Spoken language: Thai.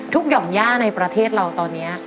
หย่อมย่าในประเทศเราตอนนี้